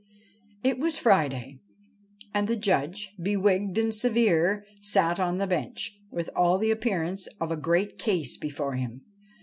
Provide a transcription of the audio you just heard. It was Friday, and the Judge, be wigged and severe, sat on the bench, with all the appearance of a great case before him.